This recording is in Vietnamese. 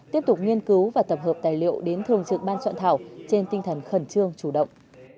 tiếp tục nghiên cứu và tập hợp tài liệu đến thường trực ban soạn thảo trên tinh thần khẩn trương chủ động